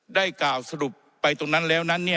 ได้กล่าวสรุปไปตรงนั้นแล้วนั้น